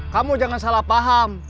kamu jangan salah paham